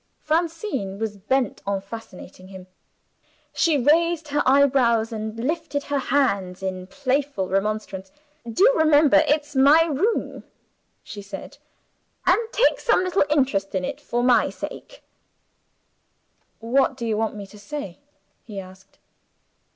Francine was bent on fascinating him. She raised her eyebrows and lifted her hands, in playful remonstrance. "Do remember it's my room," she said, "and take some little interest in it, for my sake!" "What do you want me to say?" he asked.